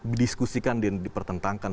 bisa didiskusikan dan dipertentangkan